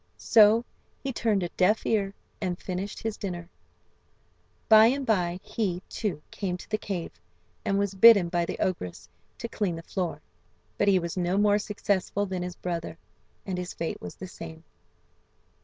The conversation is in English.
So he turned a deaf ear and finished his dinner. By and by he, too, came to the cave, and was bidden by the ogress to clean the floor, but he was no more successful than his brother, and his fate was the same.